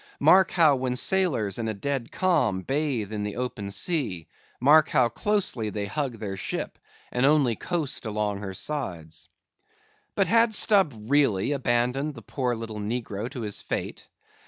Mark, how when sailors in a dead calm bathe in the open sea—mark how closely they hug their ship and only coast along her sides. But had Stubb really abandoned the poor little negro to his fate?